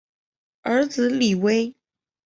儿子李威。